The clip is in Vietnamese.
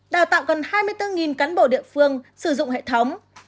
đào tạo gần hai mươi bốn cán bộ địa phương sử dụng hệ thống